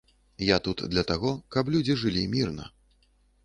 Я тут для таго, каб людзі жылі мірна.